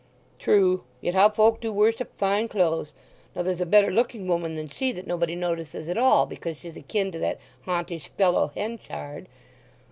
"True. Yet how folk do worship fine clothes! Now there's a better looking woman than she that nobody notices at all, because she's akin to that hontish fellow Henchard."